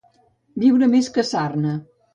Viure més que Sarna.